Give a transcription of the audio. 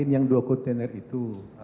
yang dua kontainer itu